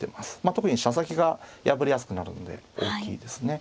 特に飛車先が破れやすくなるんで大きいですね。